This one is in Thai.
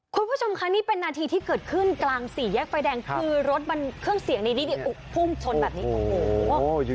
คุณผู้ชมคะนี่เป็นนาทีที่เกิดขึ้นกลางสี่แยกไฟแดงคือรถมันเครื่องเสียงนี่พุ่งชนแบบนี้โอ้โห